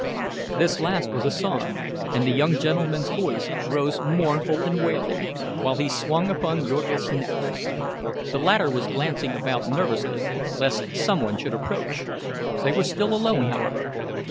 '" This last was a song, and the young gentleman's voice rose mournful and wailing, while he swung upon Jurgis's neck. The latter was glancing about nervously, lest some one should approach. They were still alone, however.